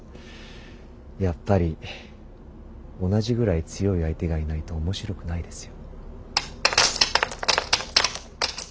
やっぱり同じぐらい強い相手がいないと面白くないですよ。